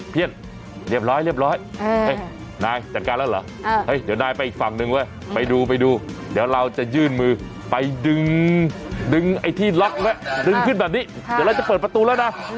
เรียบร้อยเรียบร้อยนายจัดการแล้วเหรอเดี๋ยวนายไปอีกฝั่งหนึ่งเว้ยไปดูไปดูเดี๋ยวเราจะยื่นมือไปดึงไอ้ที่ล็อกไว้ดึงขึ้นแบบนี้เดี๋ยวเราจะเปิดประตูแล้วนะ